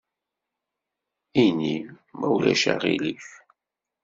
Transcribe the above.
Ini: « ma ulac aɣilif ».